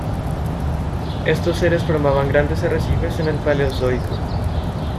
Estos seres formaban grandes arrecifes en el Paleozoico.